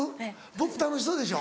僕楽しそうでしょ？